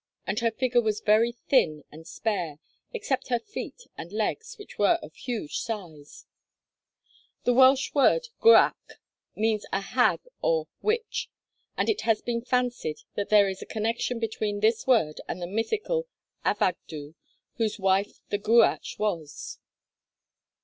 And her figure was very thin and spare, except her feet and legs, which were of huge size.' The Welsh word 'gwrach' means a hag or witch, and it has been fancied that there is a connection between this word and the mythical Avagddu, whose wife the gwrach was.